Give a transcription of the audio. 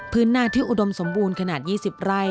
หน้าที่อุดมสมบูรณ์ขนาด๒๐ไร่